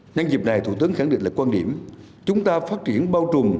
nhân dịp này thủ tướng khẳng định là quan điểm chúng ta phát triển bao trùm